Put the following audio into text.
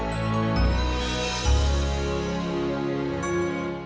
terima kasih mbak